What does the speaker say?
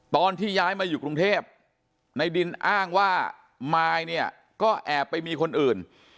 ตอนที่ย้ายมาอยู่กรุงเทพในดินอ้างว่ามายเนี่ยก็แอบไปมีคนอื่น